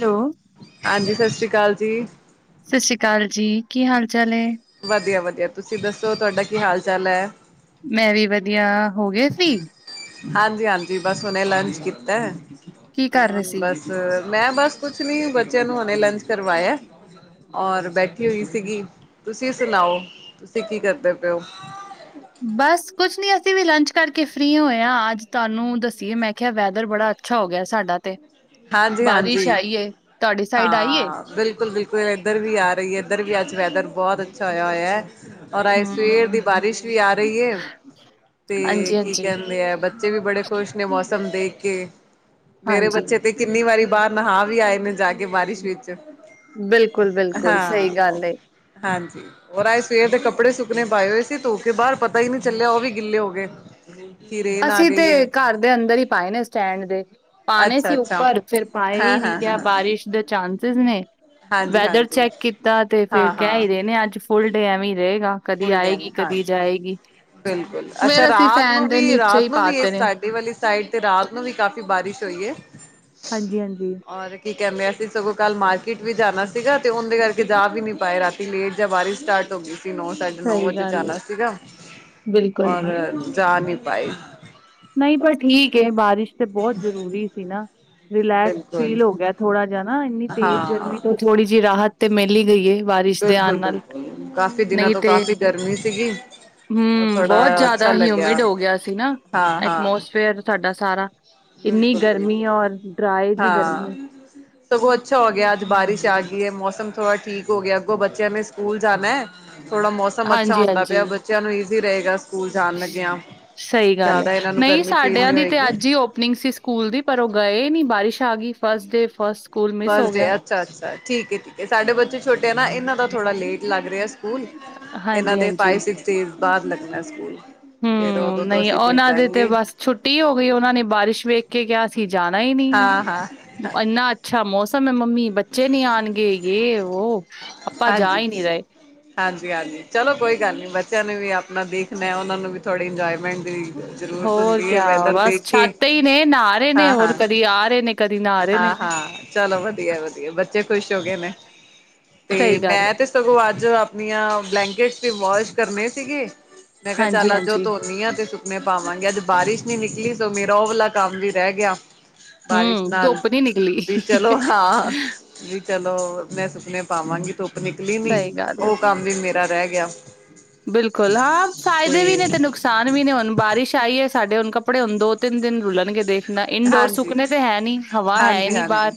Hello. ਹਾਂਜੀ ਸਤਿ ਸ਼੍ਰੀ ਅਕਾਲ ਜੀ। ਸਤਿ ਸ੍ਰੀ ਅਕਾਲ ਜੀ, ਕੀ ਹਾਲ ਚਾਲ ਹੈ? ਵਧੀਆ- ਵਧੀਆ ਤੁਸੀਂ ਦੱਸੋ ਤੁਹਾਡਾ ਕੀ ਹਾਲ ਚਾਲ ਹੈ? ਮੈਂ ਵੀ ਵਧੀਆ, ਸੋ ਗੇ ਸੀ। ਹਾਂਜੀ- ਹਾਂਜੀ ਬਸ ਉਹਨੇ ਲੰਚ ਕੀਤਾ ਕੀ ਤੇ, ਕਰ ਰਹੇ ਹੁਣ ਸੀ? ਬਸ ਮੈਂ ਬਸ ਕੁਛ ਨੀ, ਬੱਚਿਆਂ ਨੂੰ ਹੁਣੇ ਲੰਚ ਕਰਵਾਇਆ। ਔਰ ਬੈਠੀ ਹੋਈ ਸੀਗੀ। ਤੁਸੀਂ ਸੁਣਾਓ ਤੁਸੀਂ ਕੀ ਕਰਦੇ ਪਏ ਹੋ? ਬਸ ਕੁਛ ਨੀ ਅਸੀਂ ਵੀ ਲੰਚ ਕਰਕੇ ਫ੍ਰੀ ਹੋਏ ਹਾਂ। ਅੱਜ ਤੁਹਾਨੂੰ ਦੱਸੀਏ ਮੈਂ ਕਿਹਾ ਵੈਦਰ ਬੜਾ ਅੱਛਾ ਹੋ ਗਿਆ ਸਾਡਾ ਤੇ। ਬਾਰਿਸ਼ ਹਾਂਜੀ-ਹਾਂਜੀ ਆਈ ਏ, ਤੁਹਾਡੀ ਸਾਈਡ ਆਈ ਏ? ਹਾਂ ਬਿਲਕੁਲ-ਬਿਲਕੁਲ। ਇੱਧਰ ਵੀ ਆ ਰਹੀ, ਇੱਧਰ ਵੀ ਅੱਜ ਵੈਦਰ ਬਹੁਤ ਅੱਛਾ ਹੋਇਆ, ਹੋਇਆ। ਔਰ ਆਏ ਸਵੇਰ ਦੀ ਹੂੰ, ਬਾਰਿਸ਼ ਵੀ, ਆ ਰਹੀ ਹੈ ਤੇ ਕੀ ਹਾਂਜੀ-ਹਾਂਜੀ, ਕਹਿੰਦੇ ਆ, ਬੱਚੇ ਵੀ ਬੜੇ ਖੁਸ਼ ਨੇ, ਮੌਸਮ ਦੇਖ ਕੇ ਮੇਰੇ ਹਾਂਜੀ, ਬੱਚੇ ਤੇ ਕਿੰਨੀ ਵਾਰੀ ਬਾਹਰ ਨਹਾ ਵੀ ਆਏ ਨੇ ਜਾ ਕੇ ਬਾਰਿਸ਼ ਵਿੱਚ। ਬਿਲਕੁਲ - ਬਿਲਕੁਲ ਹਾਂ। ਸਹੀ ਗੱਲ ਏ। ਹਾਂਜੀ। ਔਰ ਅੱਜ ਸਵੇਰ ਦੇ ਕੱਪੜੇ ਸੁੱਕਨਣੇ ਪਾਏ ਹੋਏ ਸੀ। ਧੋਕੇ ਬਾਹਰ, ਪਤਾ ਹੀ ਨਹੀਂ ਚੱਲਿਆ। ਉਹ ਵੀ ਗਿੱਲੇ ਹੋ ਗਏ। ਕਿ ਰੇਨ ਆ ਅਸੀਂ ਗਈ ਹੈ ਤੇ ਘਰ ਦੇ ਅੰਦਰ ਹੀ ਪਾਏ ਨੇ ਸਟੈਂਡ ਦੇ ਪਾਣੇ ਸੀ ਉਹ ਅੱਛਾ-ਅੱਛਾ। ਪਰ ਫੇਰ ਪਾਏ ਹੀ ਨਹੀ ਕਿਹਾ ਹਾਂ-ਹਾਂ-ਹਾਂ, ਬਾਰਿਸ਼ ਇਸ ਦੇ ਚਾਂਸਿਸ ਨੇ, ਵੈਦਰ ਹਾਂਜੀ-ਹਾਂਜੀ, ਚੈੱਕ ਕੀਤਾ ਤੇ ਫੇਰ ਹਾਂ-ਹਾਂ ਕਹਿ ਹੀ ਰਹੇ ਨੇ ਅੱਜ ਫੁਲ ਡੇ ਐਵੇ ਹੀ ਰਹੇਗਾ ਕਦੀ ਫੁੱਲ ਡੈਮ ਆਏਗੀ ਹਾਂਜੀ। ਕਦੀ ਜਾਏਗੀ ਬਿਲਕੁਲ ਮੇ ਅੱਛਾ ਅਸੀਂ ਰਾਤ ਨੂੰ ਫੈਨ ਦੇ ਨ ਵੀ ਰਾਤ ਨੂੰ ਵੀ ਇਸ ਸਾਡੀ ਵਾਲੀ ਸਾਈਡ ਤੇ ਰਾਤ ਨੂੰ ਵੀ ਕਾਫ਼ੀ ਬਾਰਿਸ਼ ਹੋਈ ਹੈ ਹਾਂਜੀ-ਹਾਂਜੀ ਔਰ ਕੀ ਕਹਿੰਦੇ ਅ ਸੀ ਸਗੋਂ ਕੱਲ੍ਹ ਮਾਰਕੀਟ ਵੀ ਜਾਣਾ ਸੀਗਾ ਤੇ ਉਹਦੇ ਕਰਕੇ ਜਾ ਵੀ ਨਹੀ ਪਾਏ ਰਾਤੀ ਸੀ ਲੇਟ ਜਾਂ ਵਾਰੀ ਸਟਾਰਟ ਹੋ ਗਈ ਸੀ ਨੋਨ ਸਾਡੇ ਨੌ ਸਹੀ ਵਜੇ ਗੱਲ ਏ। ਜਾਣਾ ਸੀਗਾ ਬਿਲਕੁਲ। ਔਰ ਜਾ ਨਹੀ ਪਾਈ ਨਹੀਂ ਪਰ ਠੀਕ ਏ ਬਾਰਿਸ਼ ਬਹੁਤ ਜਰੂਰੀ ਸੀ ਨਾ ਰਿਲੈਕਸ ਬਿਲਕੁਲ ਫੀਲ ਹੋ ਗਿਆ ਥੋੜਾ ਜਾ ਨਾ ਇੰਨੀ ਤੇਜ਼ ਹਾਂ ਗਰਮੀ ਤੋ। ਥੋੜੀ ਜਿਹੀ ਰਾਹਤ ਤੇ ਮਿਲ ਹੀ ਗਈ ਏ। ਬਾਰਿਸ਼ ਦੇ ਆਣ ਨਾਲ ਬਿਲਕੁਲ-ਬਿਲਕੁਲ ਕਾਫੀ ਦਿਨਾਂ ਨਹੀਂ ਤੋਂ ਤੇ ਕਾਫੀ ਗਰਮੀ ਸੀਗੀ ਔਰ ਹੂੰ ਬਹੁਤ ਥੋੜ੍ਹਾ ਅੱਛਾ ਜ਼ਿਆਦਾ ਲੱਗਿਆ ਹਿਊਮਿਡ ਹੋ ਗਿਆ ਸੀ ਨਾ ਹਾਂ ਹਾਂ ਐਟਮੋਸਫੇਅਰ ਸਾਡਾ ਸਾਰਾ ਇੰਨੀ ਬਿਲਕੁਲ ਗਰਮੀ ਬਿਲਕੁਲ ਹੈ ਔਰ ਡਰਾਏ ਦੀ ਹਾਂ ਗਰਮੀ। ਸਗੋਂ ਅੱਛਾ ਹੋ ਗਿਆ ਅੱਜ ਬਾਰਿਸ਼ ਆ ਗਈ ਹੈ ਮੌਸਮ ਥੋੜਾ ਠੀਕ ਹੋ ਗਿਆ ਅੱਗੋਂ ਬੱਚਿਆਂ ਨੇ ਸਕੂਲ ਜਾਣਾ ਹੈ। ਥੋੜਾ ਮੌਸਮ ਅੱਛਾ ਹੁੰਦਾ ਹਾਂਜੀ-ਹਾਂਜੀ। ਪਿਆ ਬੱਚਿਆਂ ਨੂੰ ਈਜ਼ੀ ਰਹੇਗਾ ਸਕੂਲ ਜਾਣ ਲੱਗਿਆ। ਸਹੀ ਗੱਲ ਏ, ਜ਼ਿਆਦਾ ਇਹਨਾਂ ਨੂੰ ਨਹੀਂ ਗਰਮੀ ਫੀਲ ਸਾਡਿਆਂ ਨਹੀਂ ਦੀ ਤੇ ਹੋਏਗੀ ਅੱਜ ਹੀ ਓਪਨਿੰਗ ਸੀ ਸ ਸਕੂਲ ਦੀ ਪਰ ਉਹ ਗਏ ਨੀ ਬਾਰਿਸ਼ ਆ ਗਈ first day first school miss ਹੋ ਫਸਟ ਡੇ ਗਿਆ। ਅੱਛਾ-ਅੱਛਾ ਠੀਕ ਹੈ-ਠੀਕ ਹੈ ਸਾਡੇ ਹੂੰ। ਬੱਚੇ ਛੋਟੇ ਆ ਨਾ ਇਹਨਾਂ ਦਾ ਥੋੜਾ ਲੇਟ ਲੱਗ ਰਿਹਾ ਸ ਕੂਲ ਇਹਨਾਂ ਦੇ ਹਾਂਜੀ-ਹਾਂਜੀ, ਫਾਈਵ-ਸਿਕ੍ਸ ਡੇਜ਼ ਬਾਅਦ ਲੱਗਣਾ ਸਕੂਲ ਫਿਰ ਉਹ ਹੂੰ ਨਹੀਂ ਉਹਨਾਂ ਦੇ ਤੇ ਬਸ ਛੁੱਟੀ ਹੋ ਗਈ, ਉਹਨਾਂ ਨੇ ਬਾਰਿਸ਼ ਵੇਖ ਕੇ ਕਿਹਾ ਅਸੀਂ ਜਾਣਾ ਹੀ ਨਹੀਂ। ਹਾਂ-ਹਾਂ ਇੰਨਾ ਅੱਛਾ ਮੌਸਮ ਹੈ ਮੰਮੀ ਬੱਚੇ ਨੀ ਆਉਣਗੇ ਯੇ ਵੋ ਆਪਾਂ ਜਾ ਹੀ ਹਾਂਜੀ ਨਹੀ ਰਹੇ ਹਾਂਜੀ-ਹਾਂਜੀ ਚਲੋ ਕੋਈ ਗੱਲ ਨੀ ਬੱਚਿਆਂ ਨੇ ਵੀ ਆਪਣਾ ਦੇਖਣਾ ਉਹਨਾਂ ਨੂੰ ਵੀ ਥੋੜੀ ਇੰਜੋਏਮੈਂਟ ਦੀ ਜ਼ਰੂਰਤ ਹੋਰ ਹੁੰਦੀ ਹੈ ਕਿਆ ਵੈਦਰ ਬਸ ਦੇਖ ਕੇ ਛਾਤੇ ਹੀ ਨੇ ਨਹਾ ਰਹੇ ਨੇ ਹੋਰ ਹਾਂ-ਹਾਂ ਕਦੀ ਆ ਰਹੇ ਨੇ ਕਦੀ ਨਹਾ ਰਹੇ ਨੇ। ਹਾਂ-ਹਾਂ ਚਲੋ ਵਧੀਆ-ਵਧੀਆ ਬੱਚੇ ਖੁਸ਼ ਹੋ ਗਏ ਨੇ ਸਹੀ ਤੇ ਗੱਲ ਏ, ਮੈਂ ਤੇ ਸਗੋਂ ਅੱਜ ਆਪਣੀਆਂ ਬਲੈਂਕਟ ਵਾਸ਼ ਕਰਨੇ ਸੀਗੇ। ਮੈਂ ਕਿਹਾ ਚੱਲ ਅੱਜ ਹਾਂਜੀ-ਹਾਂਜੀ। ਧੋਨੀ ਆ ਤੇ ਮੈਂ ਪਾਵਾਂਗੀ ਅੱਜ ਬਾਰਿਸ਼ ਨੀ ਨਿਕਲੀ ਸੋ ਮੇਰਾ ਉਹ ਵਾਲਾ ਕੰਮ ਵੀ ਰਹਿ ਗਿਆ ਬਾਰਿਸ਼ ਹੂੰ, ਨਾਲ, ਧੁੱਪ ਨਹੀਂ ਨਿਕਲੀ ਵੀ ਚਲੋ ਹਾਂ। ਵੀ ਚਲੋ ਮੈਂ ਸੁਕਨੇ ਪਾਵਾਂਗੀ ਧੁੱਪ ਨਿਕਲੀ ਨੀ ਸਹੀ ਗੱਲ ਹੈ ਉਹ ਕੰਮ ਵੀ ਮੇਰਾ ਰਹਿ ਗਿਆ ਬਿਲਕੁਲ ਹਾਂ ਫਾਇਦੇ ਵੀ ਨੇ ਤੇ ਨੁਕਸ ਸਾਨ ਵੀ ਨੂੰ ਹੁਣ ਬਾਰਿਸ਼ ਆਈ ਏ ਸਾਡੇ ਹੁਣ ਕੱਪੜੇ ਹੁਣ ਦੋ-ਤਿੰਨ ਦਿਨ ਰੁਲਣ ਗਏ ਦੇ ਨਾ ਇੰਡੋਰ ਹਾਂਜੀ, ਸੁੱਕਨੇ ਤੇ ਹੈ ਨੀ ਹਵਾ ਹੈ ਹਾਂਜੀ, ਨੀ ਹਾਂਜੀ ਬਾਹਰ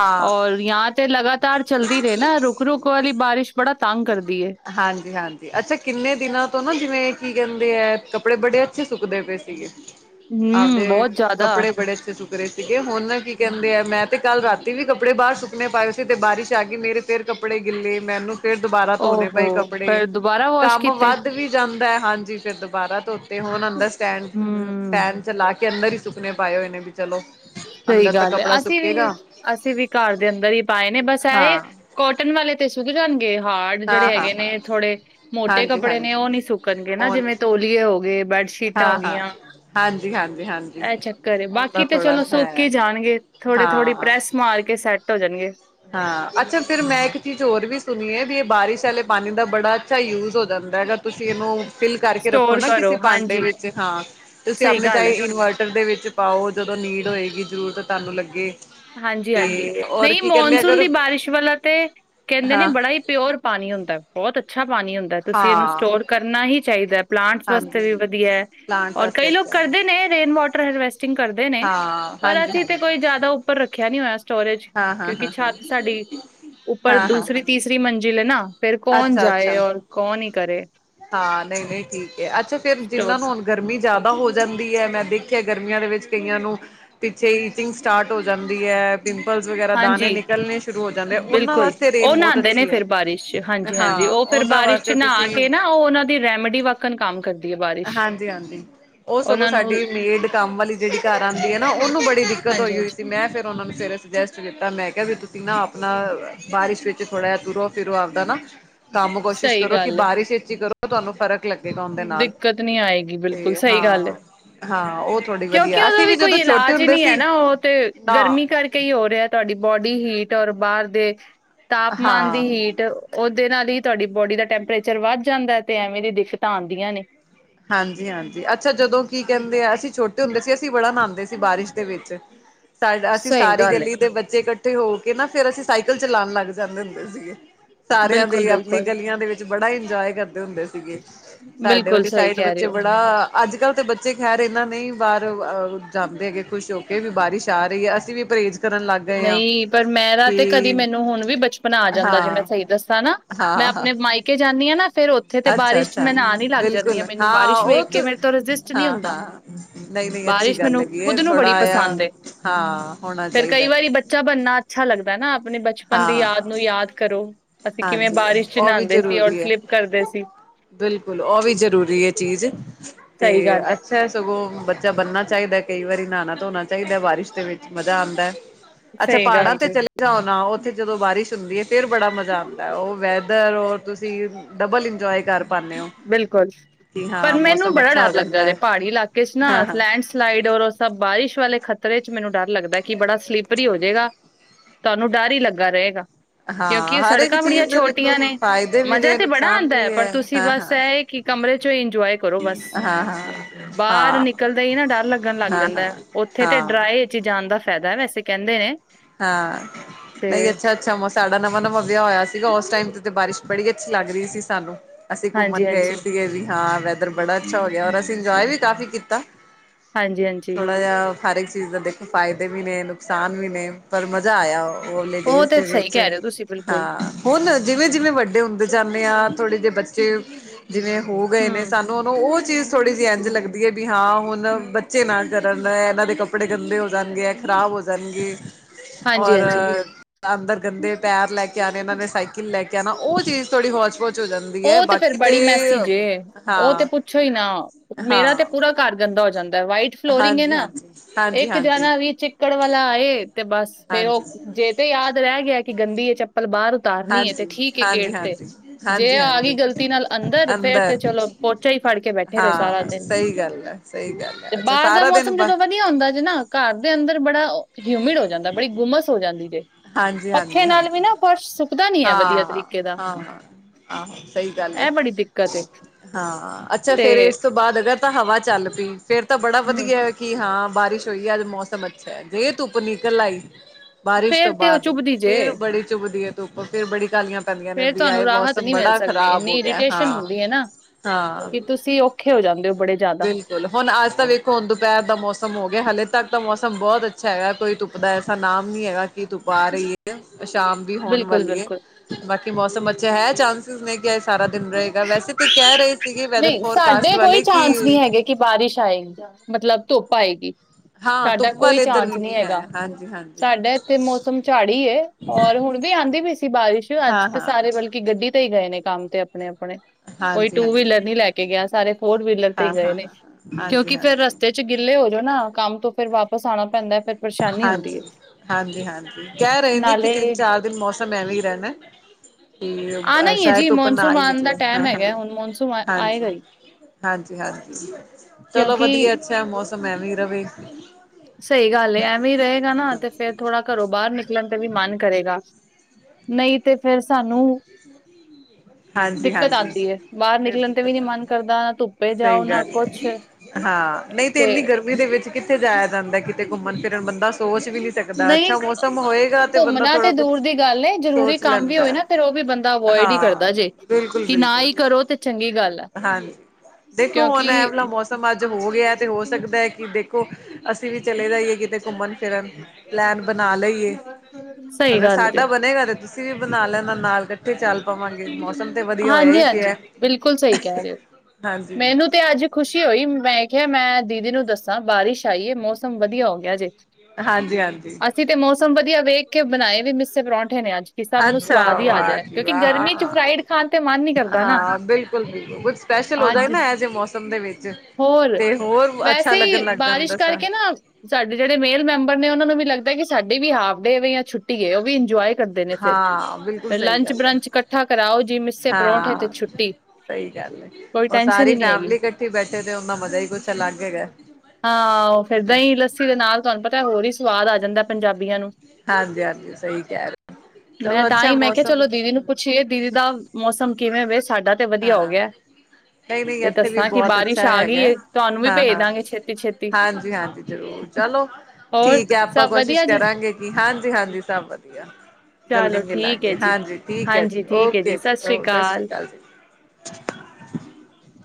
ਹਾਂ। ਔਰ ਯ ਤੇ ਲਗਾਤਾਰ ਚੱਲਦੀ ਰਹੇ ਨਾ ਰੁਕ ਰੁਕ ਵਾਲੀ ਬਾਰਿਸ਼ ਬੜਾ ਤੰਗ ਕਰਦੀ ਏ। ਹਾਂਜੀ-ਹਾਂਜੀ ਅੱਛਾ ਕਿੰਨੇ ਦਿਨਾਂ ਤੋਂ ਨਾ ਜਿਵੇਂ ਕਿ ਕਹਿੰਦੇ ਹੈ ਕੱਪੜੇ ਬੜੇ ਅੱਛੇ ਸੁੱਕਦੇ ਪਏ ਸੀਗੇ ਆਪਦੇ ਹੂੰ ਬਹੁਤ ਜ਼ਿਆਦਾ ਕੱਪੜੇ ਬੜੇ ਅੱਛੇ ਸੁੱਕ ਸੁੱਕ ਰਹੇ ਸੀਗੇ ਹੁਣ ਕੀ ਕਹਿੰਦੇ ਆ ਮੈਂ ਤੇ ਕੱਲ ਰਾਤੀ ਵੀ ਕੱਪੜੇ ਬਾਹਰ ਸੁੱਕਣੇ ਪਾਏ ਸੀ ਤੇ ਬਾਰਿਸ਼ ਆ ਗੀ ਮੇਰੇ ਫਿਰ ਕੱਪੜੇ ਗਿੱਲੇ ਮੈਨੂੰ ਫਿਰ ਦੁਬਾਰਾ ਧੋਣੇ ਪਏ ਓਹੋ ਕੱਪੜੇ ਫਿਰ ਦੁਬਾਰਾ ਵਾਸ਼ ਕੰਮ ਕੀਤੇ ਵੱਧ ਵੀ ਜਾਂਦਾ ਹੈ ਹਾਂਜੀ ਫਿਰ ਦੁਬਾਰਾ ਧੋਤੇ ਹੋਣ ਆਉਂਦਾ ਸਟੈਂਡ ਹੂੰ ਫੈਨ ਚਲਾ ਕੇ ਅੰਦਰ ਹੀ ਸੁੱਕਨਣੇ ਪਾਏ ਹੋਏ ਨੇ। ਚਲੋ ਸਹੀ ਅੰਦਰ ਤਾਂ ਗੱਲ ਹੈ ਕੱਪੜਾ ਅਸੀਂ ਸੁੱਕੇਗਾ ਵੀ-ਅਸੀਂ ਵੀ ਘਰ ਦੇ ਅੰਦਰ ਹੀ ਪਾਏ ਨੇ ਬਸ ਹਾਂ, ਇਹ ਕੋਟਨ ਵਾਲੇ ਤੇ ਸੁੱਕ ਜਾਣਗੇ ਹਾਰਡ ਹਾਂ, ਜਿਹੜੇ ਹਾਂ, ਹੈਗੇ ਹਾਂ। ਨੇ ਥੋੜੇ ਹਾਂਜੀ ਮੋਟੇੱਪੜੇ ਨੇ ਉਹ ਹਾਂਜੀ ਨੀ ਸੁੱਕ ਕਰਣਗੇ ਨਾ ਉਹ ਨਹੀਂ ਜਿਵੇਂ ਸੀ ਤੋਲੀਏ ਹੋ ਗਏ, ਬੈਡਸ਼ੀਟਾਂ ਹਾਂ ਹੋ ਹਾਂ ਗਿਆ ਹਾਂਜੀ ਹਾਂਜੀ ਹਾਂਜੀ ਇਹ ਚ ਕਰ ਏ, ਉਹਦਾ ਬਾਕੀ ਤੇ ਥੋੜਾ ਚਲੋ ਹੈ ਸੁੱਕੀ ਜਾਣਗੇ ਥੋੜੇ-ਥੋੜ੍ਹੀ ਹਾਂ ਪ੍ਰੈਸ ਮਾਰ ਕੇ ਸੈੱਟ ਹੋ ਜਾਣਗੇ। ਹਾਂ ਅੱਛਾ ਫੇਰ ਮੈਂ ਇੱਕ ਚੀਜ਼ ਹੋਰ ਵੀ ਸੁਣੀ ਹੈ ਵੀ ਬਾਰਿਸ਼ ਵਾਲੇ ਪਾਣੀ ਦਾ ਬੜਾ ਅੱਛਾ ਯੂਜ਼ ਹੋ ਜਾਂਦਾ ਹੈਗਾ ਤੁਸੀਂ ਇਹਨੂੰ ਫਿਲ ਕਰਕੇ ਰੱਖੋ ਸਟੋਰ ਨਾ ਕਰੋ ਕਿਸੀ ਭਾਂਡੇ ਹਾਂਜੀ ਵਿੱਚ ਹਾਂ ਤੁਸੀਂ ਸਹੀ ਆਪਣੇ ਗੱਲ ਹੈ ਚਾਹੇ ਇਨਵਰਟਰ ਦੇ ਵਿੱਚ ਪਾਓ ਜਦੋਂ ਨੀਡ ਹੋਏਗੀ ਜ਼ਰੂਰਤ ਤੁਹਾਨੂੰ ਲੱਗੇ ਹਾਂਜੀ-ਹਾਂਜੀ ਤੇ ਔਰ ਨਹੀਂ ਕੀ ਕਹਿੰਦੇ ਮੌਨਸੂਨ ਅਗਰ ਦੀ ਬਾਰਿਸ਼ ਵਾਲਾ ਤੇ ਕਹਿੰਦੇ ਨੇ ਹਾਂ ਬੜਾ ਹੀ ਪਿਓਰ ਪਾਣੀ ਹੁੰਦਾ ਬਹੁਤ ਅੱਛਾ ਪਾਣੀ ਹੁੰਦਾ ਤੁਸੀਂ ਇਹਨੂੰ ਹਾਂ ਸਟੋਰ ਕਰਨਾ ਹੀ ਚਾਹੀਦਾ ਪਲਾਂਟਸ ਵਾਸਤੇ ਵੀ ਹਾਂਜੀ ਵਧੀਆ ਹੈ ਪਲਾਂਟਸ ਔਰ ਵਾਸਤੇ ਕਈ ਲੋਕ ਅੱਛਾ ਕਰਦੇ ਨੇ ਰੇਨ ਵੋਟਰ ਵੈਸ ਕਰਦੇ ਨੇ ਹਾਂ ਪਰ ਹਾਂਜੀ ਅਸੀਂ ਤੇ ਹਾਂਜੀ ਕੋਈ ਜਿਆਦਾ ਉਪਰ ਰੱਖਿਆ ਨੀ ਹੋਇਆ ਸਟੋਰੇਜ ਹਾਂ ਹਾਂ ਕਿਉਂਕਿ ਹਾਂ ਹਾਂ ਛਤ ਸਾਡੀ ਉੱਪਰ ਹਾਂ ਹਾਂ ਦੂਸਰੀ ਹਾਂ ਤੀਸਰੀ ਮੰਜ਼ਿਲ ਹੈ ਨਾ ਫੇਰ ਕੌਣ ਅੱਛਾ ਜਾਏ ਅੱਛਾ ਔਰ ਕੌਣ ਹੀ ਕਰੇ ਹਾਂ ਨਹੀਂ-ਨਹੀਂ ਠੀਕ ਹੈ ਅੱਛਾ ਫੇਰ ਜਿਨਾਂ ਸਟੋਰ ਨੂੰ ਹੁਣ ਗਰਮੀ ਜਾਦਾ ਹੋ ਜਾਂਦੀ ਹੈ ਮੈਂ ਦੇਖਿਆ ਗਰਮੀਆਂ ਦੇ ਵਿੱਚ ਕਈਆਂ ਨੂੰ ਪਿੱਛੇ ਈਟਿੰਗ ਸਟਾਰਟ ਹੋ ਜਾਂਦੀ ਹੈ ਪਿੰਪਲ ਵਗੈਰਾ ਦਾਣੇ ਹਾਂਜੀ। ਨਿਕਲਣੇ ਸ਼ੁਰੂ ਹੋ ਜਾਂਦੇ ਉਹਨਾਂ ਬਿਲਕੁਲ ਵਾਸਤੇ ਉਹ ਰੇਨ ਬਹੁਤ ਨਹਾਂਦੇ ਨੇ ਅੱਛੀ ਹੈ ਫਿਰ ਬਾਰਿਸ਼ ਹਾਂ ਹਾਂਜੀ-ਹਾਂਜੀ ਉਹ ਫਿਰ ਉਹਨਾਂ ਬਾਰਿਸ਼ ਚ ਵਾਸਤੇ ਨਹਾ ਤੁਸੀਂ ਕੇ ਨਾ ਉਹ ਉਹਨਾਂ ਦੀ ਰੈਮਡੀ ਵਕਣ ਕੰਮ ਕਰਦੀ ਹੈ ਬਾਰਿਸ਼ ਹਾਂਜੀ-ਹਾਂਜੀ ਉਹ ਸਗੋਂ ਉਹਨਾਂ ਨੂੰ ਸਾਡੀ ਮੇਡ ਕੰਮ ਵਾਲੀ ਜਿਹੜੀ ਘਰ ਆਉਂਦੀ ਹੈ ਨਾ ਉਨੂੰ ਬੜੀ ਦਿੱਕਤ ਹੋਈ-ਹੋਈ ਹਾਂਜੀ-ਹਾਂਜੀ ਸੀ ਮੈਂ ਫੇਰ ਉਹਨਾ ਨੂੰ ਸਵੇਰੇ ਸੁਜੈਸਟ ਕੀਤਾ ਮੈਂ ਕਿਹਾ ਵੀ ਤੁਸੀਂ ਨਾ ਆਪਣਾ ਬਾਰਿਸ਼ ਵਿੱਚ ਥੋੜ੍ਹਾ ਜਿਹਾ ਤੁਰੋ ਫਿਰੋ ਆਪਦਾ ਨਾ। ਕੰਮ ਕੋਸ਼ਿਸ਼ ਸਹੀ ਕਰੋ ਕਿ ਗੱਲ ਹੈ ਬਾਰਿਸ਼ ਇਚ ਕਰੋ ਤੁਹਾਨੂੰ ਫਰਕ ਦਿੱਕਤ ਨੀ ਆਏਗੀ ਬਿਲਕੁਲ ਤੇ ਸਹੀ ਗੱਲ ਹੈ। ਹਾਂ ਹਾਂ ਉਹ ਥੋੜ੍ਹੀ ਕਿਉਂਕਿ ਵਧੀਆ ਉਹਦਾ ਅਸੀਂ ਵੀ ਕੋਈ ਜਦੋਂ ਛੋਟੇ ਇਲਾਜ ਹੀ ਹੁੰਦੇ ਨਹੀ ਹੈ ਸੀ ਨਾ ਉਹ ਤੇ ਨਾ ਗਰਮੀ ਕਰਕੇ ਕਈ ਹੋ ਰਿਹਾ ਤੁਹਾਡੀ ਬੋਡੀ ਹੀਟ ਔਰ ਬਾਹਰ ਦੇ ਤਾਪਮਾਨ ਦੀ ਹਾਂ ਹੀਟ ਉਹਦੇ ਨਾਲ ਹੀ ਤੁਹਾਡੀ ਬੋਡੀ ਦਾ ਟੈਂਪਰੇਚਰ ਵੱਧ ਜਾਂਦਾ ਤੇ ਐਵੇਂ ਦੀ ਦਿੱਕਤਾਂ ਆਉਂਦੀਆਂ ਨੇ ਹਾਂਜੀ-ਹਾਂਜੀ ਅੱਛਾ ਜਦੋਂ ਕੀ ਕਹਿੰਦੇ ਆ ਅਸੀਂ ਛੋਟੇ ਹੁੰਦੇ ਸੀ ਅਸੀਂ ਬੜਾ ਨਾਹ ਫਿਰਦੇ ਸੀ ਬਾਰਿਸ਼ ਦੇ ਵਿੱਚ ਸ-ਅਸੀਂ ਸਹੀ ਸਾਰੀ ਗੱਲ ਹੈ ਗਲੀ ਦੇ ਬੱਚੇ ਕੱ ਠੇ ਹੋ ਕੇ ਨਾ ਫੇਰ ਅਸੀਂ ਸਾਈਕਲ ਚਲਾਉਣ ਲੱਗ ਜਾਂਦੇ ਹੁੰਦੇ ਸੀਗੇ ਸਾਰਿਆਂ ਦੇ ਆਪਣੀ ਬਿਲਕੁਲ-ਬਿਲਕੁਲ ਗਲੀਆਂ ਦੇ ਵਿੱਚ ਬੜਾ ਇੰਜੋਏ ਕਰਦੇ ਹੁੰਦੇ ਸੀਗੇ ਬਿਲਕੁਲ ਸਾਡੇ ਬਿਲਕੁਲ ਵਾਲੀ ਸਹੀ ਸਾਈਡ ਕਹਿ ਰਹੇ ਬੱਚੇ ਹੋ ਬੜਾ ਅੱਜ ਕੱਲ੍ਹ ਤਾ ਬੱਚੇ ਖੈਰ ਇਨਾ ਨਹੀ ਬਾਹਰ ਅਹ ਜਾਂਦੇ ਹੈਗੇ ਖੁਸ਼ ਹੋ ਕੇ ਵੀ ਬਾਰਿਸ਼ ਆ ਰਹੀ ਹੈ ਅਸੀ ਵੀ ਪਰਹੇਜ਼ ਕਰਨ ਲੱਗ ਗਏ ਹਾਂ ਨਹੀ ਪਰ ਮੈਂਰਾ ਕਿ ਤੇ ਕਦੀ ਮੈਨੂੰ ਹੁਣ ਵੀ ਬਚਪਨ ਆ ਜਾਂਦਾ ਜੇ ਮੈਂ ਸਹੀ ਦੱਸਾਂ ਨਾ। ਮੈਂ ਹਾਂ-ਹਾਂ ਆਪਣੇ ਮਾਈਕੇ ਜਾਂਦੀ ਹਾਂ ਨਾ ਫੇਰ ਉੱਥ ਅੱਛਾ-ਅੱਛਾ ਬਿਲਕੁਲ ਹਾਂ, ਬਾਰਿਸ਼ ਵੇਖ ਉਹ ਕੇ ਮੇਰੇ ਤੋਂ ਰਜਿਸਟ ਨਹੀਂ ਹੁੰਦਾ ਹਾਂ-ਹਾਂ। ਨਹੀਂ-ਨਹੀਂ ਅੱਛੀ ਬਾਰਿਸ਼ ਗੱਲ ਮੈਨੂੰ ਹੈਗੀ ਹੈ ਖੁਦ ਨੂੰ ਥੋੜਾ ਬੜੀ ਆਇਆ ਪਸੰਦ ਏ ਹਾਂ ਹੁਣਾ ਫੇਰ ਕਈ ਵਾਰੀ ਬੱਚਾ ਬਣਨਾ ਅੱਛਾ ਲੱਗਦਾ ਨਾ ਆਪਣੇ ਬਚਪਨ ਦੀ ਹਾਂ ਯਾਦ ਨੂੰ ਯਾਦ ਕਰੋ। ਅਸੀਂ ਕਿਵੇਂ ਹਾਂਜੀ ਬਾਰਿਸ਼ ਚ ਉਹ ਵੀ ਨਹਾਉਂਦੇ ਸੀ ਔਰ ਜਰੂਰੀ ਹੈ। ਸਲਿਪ ਕਰਦੇ ਸੀ ਬਿਲਕੁਲ ਉਹ ਵੀ ਜ਼ਰੂਰੀ ਹੈ ਚੀਜ਼ ਤੇ ਸਹੀ ਗੱਲ ਹੈ ਅੱਛਾ ਸਗੋਂ ਬਚ ਜਾਂ ਬਣਨਾ ਚਾਹੀਦਾ ਕਈ ਵਾਰੀ ਨਹਾਣਾ ਧੋਣਾ ਚਾਹੀਦਾ ਬਾਰਿਸ਼ ਦੇ ਵਿੱਚ ਮਜ਼ਾ ਆ ਦਾ ਅੱਛਾ ਸਹੀ ਪਹਾੜਾਂ ਗੱਲ ਤੇ ਜੀ ਚਲੇ ਜਾਓ ਨਾ ਉੱਥੇ ਜਦੋਂ ਬਾਰਸ਼ ਹੁੰਦੀ ਫੇਰ ਬੜਾ ਮਜ਼ਾ ਆ ਉਹ ਵੈਦਰ ਓਰ ਤੁਸੀਂ ਡਬਲ ਇੰਜੋਏ ਕਰ ਰਹੇ ਬਿਲਕੁਲ ਪਰ ਮੈਨੂੰ ਮੌਸਮ ਬੜਾ ਅੱਛਾ ਹੋ ਡਰ ਜਾਂਦਾ ਲੱਗਦਾ ਹੈ ਪਹਾੜੀ ਇਲਾਕੇ ਚ ਨਾ ਹਾਂ-ਹਾਂ ਲੈਂਡਸਲਾਈਡ ਔਰ ਸ ਬਾਰਿਸ਼ ਵਾਲੇ ਖ਼ਤਰੇ ਚ ਮੈਨੂੰ ਡਰ ਲੱਗਦਾ ਕਿ ਬੜਾ ਸਲੀਪਰੀ ਹੋ ਜਾਏਗਾ ਤੁਹਾਨੂੰ ਡਰ ਹੀ ਲੱਗਾ ਰਹੇਗਾ ਕਿਉਂਕਿ ਹਾਂ ਉਹ ਹਰ ਇੱਕ ਸੜਕਾਂ ਬੜੀਆਂ ਚੀਜ਼ ਦੇ ਵੇਖੋ ਛੋਟੀਆਂ ਨੇ ਫਾਇਦੇ ਵੀ ਮਜ਼ਾ ਨੇ ਤੇ ਬੜਾ ਨੁਕਸਾਨ ਆਉਂਦਾ ਵੀ ਪਰ ਹੈ ਤੁਸੀਂ ਹਾਂ ਬਸ ਹਾਂ ਇਹ ਕਿ ਕਮਰੇ ਚੋਂ ਹੀ ਇੰਜੋਏ ਕਰੋ ਬਸ ਹਾਂ ਹਾਂ ਬਾਹਰ ਨਿਕ ਹਾਂ ਨਿਕਲਦਾ ਹੀ ਨਾ ਡਰ ਲੱਗਣ ਲੱਗ ਹਾਂ ਜਾਂਦਾ ਹੈ ਉੱਥੇ ਤੇ ਹਾਂ ਡਰਾਏ ਚੀ ਜਾਣ ਦਾ ਫਾਇਦਾ ਵੈਸੇ ਕਹਿੰਦੇ ਨੇ। ਹਾ ਤੇ ਬਈ ਅੱਛਾ-ਅੱਛਾ ਮੌਸਮ ਸਾਡਾ ਨਵਾਂ-ਨਵਾਂ ਵਿਆਹ ਹੋਇਆ ਸੀਗਾ ਉਸ ਟਾਈਮ ਤੇ ਬਾਰਿਸ਼ ਬੜੀ ਅੱਛੀ ਲੱਗ ਰਹੀ ਸੀ ਸਾਨੂੰ ਅਸੀਂ ਘੁੰਮਣ ਹਾਂਜੀ ਗਏ ਹਾਂਜੀ ਸੀਗੇ ਵੀ ਹਾਂ ਵੈਦਰ ਬੜਾ ਅੱਛਾ ਹੋ ਗਿਆ ਰ ਅਸੀਂ ਇੰਜੋਏ ਵੀ ਕਾਫ਼ੀ ਕੀਤਾ ਹਾਂਜੀ ਹਾਂਜੀ ਥੋੜਾ ਜਿਹਾ ਹਰ ਇੱਕ ਚੀਜ਼ ਦਾ ਦੇਖੋ ਫਾਇਦੇ ਵੀ ਨੇ ਨੁਕਸਾਨ ਵੀ ਨੇ ਪਰ ਮਜ਼ਾ ਆਇਆ ਉਹ ਲੇਡੀਜ਼ ਦੇ ਤੇ ਸਹੀ ਵਿੱਚ ਕਹਿ ਰਹੇ ਹੋ ਤੁਸੀਂ ਬਿਲਕੁਲ ਹਾਂ। ਹੁਣ ਜਿਵੇਂ-ਜਿਵੇਂ ਵੱਡੇ ਹੁੰਦੇ ਜਾਂਦੇ ਆ ਥੋੜੇ ਜਿਹੇ ਬੱਚੇ ਜਿਵੇਂ ਹੋ ਗਏ ਨੇ ਹੂੰ ਸਾਨੂੰ ਉਹ ਚੀਜ਼ ਥੋੜੀ ਜਿਹੀ ਇਝ ਲਗਦੀ ਹੈ ਵੀ ਹਾਂ ਹੁਣ ਬੱਚੇ ਨਾ ਕਰਨ ਇਹਨਾ ਦੇ ਕ- ਕੱਪੜੇ ਗੰਦੇ ਹੋ ਜਾਣਗੇ, ਖ਼ਰਾਬ ਹੋ ਜਾਣਗੇ ਹਾਂਜੀ ਔਰ ਹਾਂਜੀ ਅੰਦਰ ਗੰਦੇ ਟਾਇਰ ਲੈ ਕੇ ਆਣੇ ਇਹਨਾਂ ਨੇ ਸਾਈਕਲ ਲੈ ਕੇ ਆਣਾ, ਉਹ ਚੀਜ ਥੋੜੀ ਹੋਸ਼ਚ- ਉਹ ਤੇ ਫੇਰ ਬੜੀ ਮੈਸੀਜੇ ਉਹ ਤੇ ਹਾਂ ਪੁੱਛੋ ਹੀ ਨਾ, ਹਾਂ ਮੇਰਾ ਤੇ ਪੂਰਾ ਘਰ ਗੰਦਾ ਹੋ ਜਾਦਾ। ਵਾਈਟ ਫਲੋਰਿੰਗ ਹੈ ਹਾਂਜੀ ਨਾ ਹਾਂਜੀ ਹਾਂਜੀ ਇੱਕ ਹਾਂਜੀ ਜਾਣਾ ਵੀ ਚਿੱਕੜ ਵਾਲਾ ਆਏ। ਤੇ ਬਸ ਫੇਰ ਹਾਂਜੀ ਉਹ ਜੇ ਤੇ ਯਾਦ ਰਹਿ ਗਿਆ ਕਿ ਗੰਦੀ ਇਹ ਚੱਪਲ ਬਾਹਰ ਉਤਾਰਨੀ ਹਾਂਜੀ ਤੇ ਠੀਕ ਹੈਏ ਹਾਂਜੀ ਗੇਟ ਤੇ। ਹਾਂਜੀ ਜੇ ਹਾਂਜੀ ਆ ਗਈ ਹਾਂਜੀ ਗ਼ਲਤੀ ਨਾਲ ਅੰਦਰ, ਫੇਰ ਤੇ ਚਲੋ ਪੋਚਾ ਹੀ ਫ਼ੜ ਕੇ ਬੈਠੇ ਰਹੋ ਸਾਰਾ ਹਾਂ ਦਿਨ। ਸਹੀ ਗੱਲ ਹੈ ਸਹੀ ਗੱਲ ਹੈ, ਅੱਛਾ ਸਾਰਾ ਦਿਨ ਬਸ, ਮੀਂਹ ਆਉਂਦਾ ਜਨਾਂ, ਘਰ ਦੇ ਅੰਦਰ ਬੜਾ ਹਿਊਮਿਡ ਹੋ ਜਾਂਦਾ ਬੜੀ ਗੁਮਸ ਹੋ ਜਾਂਦੀ ਜੇ। ਹਾਂਜੀ ਪੱਖੇ ਹਾਂਜੀ ਨਾਲ ਵੀ ਹਾਂਜੀ ਫ਼ਰਸ਼ ਹਾਂ- ਹਾਂ- ਹਾਂ। ਆਹੋ! ਸਹੀ ਗੱਲ ਹੈ। ਇਹ ਬੜੀ ਦਿੱਕਤ ਹੈ ਹਾਂ, ਅੱਛਾ ਫੇਰ ਤੇ ਇਸ ਤੋਂ ਬਾਅਦ ਅਗਰ ਤਾਂ ਹਵਾ ਚੱਲ ਪਈ, ਫੇਰ ਤਾਂ ਬੜਾ ਹਮ ਵਧੀਆ। ਕਿਹਾਂ ਬਾਰਿਸ਼ ਹੋਈ ਹੈ, ਅੱਜ ਮੌਸਮ ਅੱਛਾ ਹੈ। ਜੇ ਧੁੱਪ ਨਿਕਲ ਆਾਈ ਬਾਰਿਸ਼ ਤੋਂ ਫੇਰ ਤੇ ਉਹ ਬਾਅਦ, ਚੁੱਭਦੀ ਜੇ ਫਰ ਬੜੀ ਚੁਭਦੀ ਹੈ ਧੁੱਪ, ਫੇਰ ਬੜੀ ਕਾਹਾਲੀਆਂ ਫੇਰ ਤੁਹਾਨੂੰ ਰਾਹਤ ਨਹੀਂ ਮਿਲ ਸਕਦੀ। ਇੰਨੀ ਹੋ ਗਿਆ ਇਰੀਟੇਸ਼ਨ ਹਾਂ ਹੁੰਦੀ ਹੈਨਾ। ਹਾਂ ਕੀ ਤੁਸੀ ਔਖੇ ਹੋ ਜਾਦੇ ਹੋ ਬੜੇ ਜਿਆਦਾ। ਬਿਲਕੁਲ ਅੱਜ ਤਾਂ ਵਖੋੁਣ ਦੁਪਹਿਰ ਦਾ ਮੌਸਮ ਹੋ ਗਿਆ ਹਾਲੇ ਤੱਕ ਤਾਂ ਮੌਸਮ ਬਹੁਤ ਅੱਛਾ ਹੈਗਾ। ਕੋਈ ਧੂਪ ਐਸਾ ਨਾਮ ਨੀ ਹੈਗਾ, ਕਿ ਤੂੰ ਪਾ ਰਹੀ ਹੈ। ਸ਼ਾਮ ਦੀ ਹੋਣ- ਬਿਲਕੁਲ ਵਾਲੀਏ। ਬਿਲਕੁਲ ਬਾਕੀ ਮੌਸਮ ਅੱਛੇ ਹੈ, ਚਾਂਸਿਸ ਨੇ 'ਕਿ ਇਹ ਸਾਰਾ ਦਿਨ ਰਹੇਗਾ, ਵੈਸੇ ਤਾਂ ਕਹਿ ਰਹੇ ਵੈਦਰ ਨਹੀਂ ਫੋਰਕਾਸਟ ਸਾਡੇ ਕੋਈ ਵਾਲ਼ੇ ਚਾਂਸ ਕਿ ਨਹੀਂ ਹੈਗੇ ਕਿ ਬਾਰਿਸ਼ ਆਏਂਗੀ, ਮਤਲਬ ਧੁੱਪ ਆਏਗੀ। ਹਾਂ ਸਾਡਾ ਧੁੱਪ ਕੋਈ ਵੱਲ ਇੱਧਰ ਚਾਂਸ ਵੀ ਨਹੀ ਨੀ ਹੈ ਹੈਗਾ। ਹਾਂਜੀ ਹਾਂਜੀ ਸਾਡਾ ਤੇ ਮੌਸਮ ਝਾੜੀ ਏ, ਔਰ ਹੁਣ ਵੀ ਆਉਂਦੀ ਵੀ ਸੀ ਬਾਰਿਸ਼ ਅੱਜ ਹਾਂ ਤੇ ਹਾਂ ਸਾਰੇ ਮਲਕਿ ਗੱਡੀ ਤੇ ਹੀ ਗਏ ਨੇ ਕੰਮ ਤੇ ਆਪਣੇ- ਆਪਣੇ ਕੋਈ ਹਾਂਜੀ ਟੂ ਵੀਲਰ ਹਾਂਜੀ ਨੀ ਲੈ ਕੇ ਗਿਆ ਸਾਰੇ। ਫੋਰ ਵੀਲਰ ਤੇ ਹਾਂ ਗਏ ਹਾਂ ਨੇ, ਹਾਂ ਹਾਂਜੀ ਕਿਉਂਕਿ ਫੇਰ ਹਾਂਜੀ ਰਸਤੇ, ਚ' ਗਿੱਲੇ ਹੋ ਜਾਓ ਨਾ, ਕੰਮ ਤੋਂ ਫੇਰ ਵਾਪਸ ਆਉਣਾ ਪੈਂਦਾਂ ਹੈ। ਫਿਰ ਪਰੇਸ਼ਾਨੀ ਹੁੰਦੀ ਹੈ ਹਾਂਜੀ। ਹਾਂਜੀ -ਹਾਂਜੀ ਕਹਿ ਰਹੇ ਨੇਂ ਕਿ ਤਿੰਨ- ਨਾਲੇ ਚਾਰ ਦਿਨ ਮੌਸਮ ਐਵੇਂ ਹੀ ਆਣਾ ਰਹਿਦਾ‌। ਹੀ ਹੈ ਸ਼ਾਇਦ ਜੀ ਧੁਪ ਨਾ ਮੌਨਸੂਨ ਹੀ ਆਣ ਦਾ ਨਿਕਲੇ। ਟਾਈਮ ਹਾਂਜੀ। ਹੈਗਾ ਹੁਣ ਮੌਨਸੂਨ ਆ- ਹਾਂਜੀ- ਆਏਗਾ ਹੀ ਹਾਂਜੀ, ਚਲੋ ਕਿਉਂਕਿ ਵਧੀਆ, ਅੱਛਾ ਮੌਸਮ ਐਵੇਂ ਰਹੇਂ। ਸਹੀ ਗੱਲ ਏ, ਐਵੇ ਵੀਂ ਰਹੇਗਾ ਨਾ ਤੇ ਫੇਰ- ਥੋੜ੍ਹਾ ਘਰੋ ਬਾਹਰ ਨਿਕਲਣ ਤੇ ਵੀ ਮਨ ਕਰੇਗਾ ਨਹੀ ਤੇ ਫੇਰ ਸਾਨੂੰ [inaudible] ਹਾਂਜੀ, ਦਿੱਕਤ ਹਾਂਜੀ ਆਉਂਦੀ ਹੈ। ਬਾਹਰ ਫਿਰ ਨਿਕਲਣ ਤੇ ਵੀ ਦਿੱਕਤ ਨੀ ਮਨ ਆਂਦੀ ਕਰਦਾ, ਨਾ ਧੁੱਪੇ ਜਾਓ, ਸਹੀ ਨਾ ਗੱਲ ਐ। ਕੁਛ ਹਾਂ, ਨਹੀ ਤੇ ਇਨੀ ਗਰਮੀ ਦੇ ਵਿਚ ਕਿਥੇ ਜਾਇਆ ਜਾਦਾ, ਕਿਤੇ ਘੁੰਮਣ- ਫਿਰਨ ਬੰਦਾ ਸੋਚ ਵੀ ਨਹੀ ਨਹੀ ਘੁੰਮਣਾ ਥੋੜਾ ਤੇ ਕੁਛ ਦੂਰ ਦੀ ਗੱਲ ਏ ਜਰੂਰੀ ਸੋਚ ਕੰਮ ਵੀ ਲੈਂਦਾ ਹੋਏ ਹੈ। ਨਾ- ਫਿਰ ਉਹ ਵੀ ਬੰਦਾ ਅਵੋਇਡ ਹੀ ਕਰਦਾ ਹਾਂ ਹੈ, ਜੇ ਬਿਲਕੁਲ, ਕਿ ਨਾ ਹੀ ਬਿਲਕੁਲ ਕਰੋ ਤੇ ਚੰਗੀ ਗੱਲ ਹੈ। ਹਾਂਜੀ। ਦੇਖੋ ਹੁਏ ਏ ਵਾਲਾਂ ਮੌਸਮ ਅੱਜ ਹੋ ਗਿਆ ਤੇ ਹੋ ਸਕਦਾਂ ਕਿ ਦੇਖੋ, ਅਸੀਂ ਵੀ ਚਲੇ ਦਾਈਏ ਕਿਤੇ ਘੁੰਮਣ- ਫਿਰਨ ਪਲੈਨ ਬਣਾ ਲਈਏ, ਸਹੀ ਅਗਰ ਗੱਲ ਜੇ ਸਾਡਾ ਬਣੇਗਾ ਤੇ- ਅਸੀਂ ਵੀ ਬਣਾ ਲੈਂਦਾ ਨਾਲ ਇਕੱਠੇ ਚਾਲ ਪਾਵਾਂਗੇ। ਮੌਸਮ ਤੇ ਵਧੀਆ ਹੋਇਆ ਹਾਂਜੀ- ਹੀ ਪਿਆ। ਹਾਂਜੀ। ਬਿਲਕੁਲ ਸਹੀ ਕਹਿ ਰਹੇ ਹੋ, ਹਾਂਜੀ, ਮੈਨੂੰ ਤੇ ਅੱਜ- ਖੁਸ਼ੀ ਹੋਈ, ਮੈ ਕਿਹਾ ਮੈਂ ਦੀਦੀ ਨੂੰ ਦਸਾਂ ਬਾਰਿਸ਼ ਆਈਏ ਮੌਸਮ ਵਧੀਆ ਹੋ ਗਿਆ ਜੇ। ਹਾਂਜੀ- ਹਾਂਜੀ। ਅਸੀਂ ਤੇ ਮੌਸਮ ਵਧੀਆਂ ਵੇਖ ਕੇ ਬਣਾਏ ਵੀ ਮੀਸੇ ਪਰੌਂਠੇ ਨੇ ਅੱਜ। ਕਿ ਸਭ ਨੂੰ ਅੱਛਾ। ਸਵਾਦ ਹੀ ਆ ਜਾਏ ਕਿਉਂਕਿ ਗਰਮੀ ਵਾਹ! ਚ ਫਰਾਈਡ ਖਾਣ ਤੇ ਮਨ ਨੀ ਕਰਦਾ ਨਾ ਹਾਂ। ਬਿਲਕੁਲ- ਬਿਲਕੁਲ ਕੁਛ ਸਪੇਸ਼ਲ ਹੋ ਜਾਏ ਅੱਜ ਨਾ। ਜਹੇ ਮੌਸਮ ਦੇ ਵਿੱਚ ਹੋਰ, ਤੇ ਹੋਰ ਅੱਛਾ ਵੈਸੇ ਲੱਗਣ ਲੱਗ ਬਾਰਿਸ਼ ਜਾਂਦਾ ਸ ਕਰਕੇ ਨਾ ਸਾਡੇ ਜਿਹੜੇ ਮੇਲ ਮੈਂਬਰ ਨੇ ਉਹਨਾ ਨੂੰ ਵੀ ਲੱਗਦਾ ਕਿ ਸਾਡੀ ਵੀ ਹਾਫ ਡੇ ਜਾਂ ਛੁੱਟੀ ਹੈ, ਉਹ ਵੀ ਇੰਜੋਏ ਕਰਦੇ ਨੇ ਫਿਰ, ਹਾਂ ਬਿਲਕੁਲ ਸਹੀ ਲੰਚ ਗੱਲ ਹੈ। ਬਰੰਚ ਇਕੱਠਾ ਕਰਾਓ ਜੀ', ਮਿਸੇ ਪਰੌਂਠੇ ਤੇ ਹਾਂ ਛੁੱਟੀ। ਸਹੀ ਗੱਲ ਹੈ, ਕੋਈ ਅੱਰ ਟੈਨਸ਼ਨ ਸਾਰੀ ਹੀ ਨਹੀਂ ਫੈਮਲੀ ਇਕਠੀ ਬੈਠੇ ਤੇ, ਉਹਦਾ ਮਜ਼ਾ ਹੀ, ਕੁੱਛ ਅਲਗ ਹੈਗੀ ਹੈਗਾ। ਹਾਂ, ਫਿਰ ਦਹੀ- ਲੱਸੀ ਦੇ ਨਾਲ ਤੁਹਾਨੂੰ ਪਤਾ ਹੋਰ ਵੀ ਸਵਾਦ ਆ ਜਾਦਾ ਪੰਜਾਬੀਆਂ ਨੂੰ- ਹਾਂਜੀ- ਹਾਂਜੀ ਸਹੀ, ਕਹਿ ਰਹੇ ਚਲੋ ਅੱਛਾ ਮੌਸਮ, ਪੁੱਛ ਏ ਦੀਦੀ ਦਾ- ਮੌਸਮ ਕਿਵੇਂ, ਸਾਡਾ ਤੇ ਵਧੀਆ ਹੋ ਹਾਂ। ਗਿਆਂ। ਨਹੀਂ ਨਹੀਂ ਤੇ ਇੱਥੇ ਵੀ ਦੱਸਾਂ ਕਿ ਬਹੁਤ ਬਾਰਿਸ਼, ਅੱਛਾ ਆ ਗਈ ਹੈਗਾ, ਏ ਤੁਹਾਨੂੰ ਵੀ ਹਾਂ- ਭੇਜ ਹਾਂ ਦਾਂਗੇ ਛੇਤੀ ਛੇਤੀ ਹਾਂਜੀ -ਹਾਂਜੀ ਜਰੂਰ ਚਲੋ- ਹੋਰ ਠੀਕ ਹੈ, ਆਪਾਂ ਸਭ ਵਧੀਆ ਕੋਸ਼ਿਸ਼ ਜੀ ਕਰਾਂਗੇ, ਕਿ ਹਾਂਜੀ -ਹਾਂਜੀ ਸਭ ਵਧੀਆ। ਜਲਦੀ ਚਲੋ ਠੀਕ ਮਿਲਾਗੇ, ਹੈ ਜੀ ਹਾਂਜੀ ਠੀਕ ਹੈ, ਹਾਂਜੀ ਜੀ ਠੀਕ ਹੈ ਓਕੇ ਸ੍ਰੀ ਜੀ ਸਤਿ ਸ਼੍ਰੀ ਅਕਾਲ ਜੀ। [unintelligible] [unintelligible]